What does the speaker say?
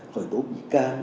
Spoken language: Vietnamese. khởi tố bụi can